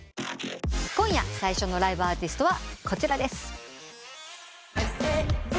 今夜最初のライブアーティストはこちらです。